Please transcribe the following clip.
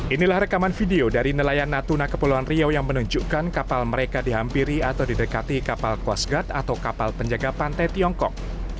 inilah rekaman video dari nelayan natuna kepulauan riau yang menunjukkan kapal mereka dihampiri atau didekati kapal coast guard atau kapal penjaga pantai tiongkok